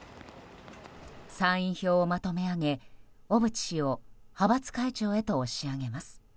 参院票をまとめ上げ小渕氏を派閥会長へと押し上げます。